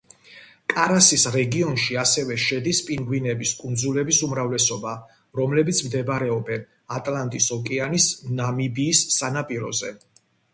კარასის რეგიონში ასევე შედის პინგვინების კუნძულების უმრავლესობა, რომლებიც მდებარეობენ ატლანტის ოკეანის ნამიბიის სანაპიროზე.